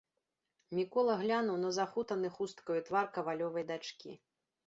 Мікола глянуў на захутаны хусткаю твар кавалёвай дачкі.